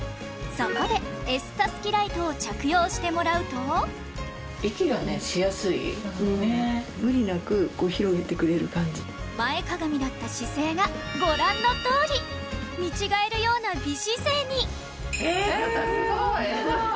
そこでＳ襷ライトを着用してもらうと前かがみだった姿勢がご覧の通り見違えるような美姿勢に・え肩すごい！